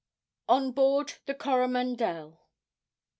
ON BOARD THE 'COROMANDEL.'